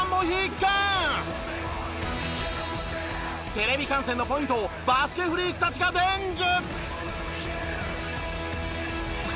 テレビ観戦のポイントをバスケフリークたちが伝授！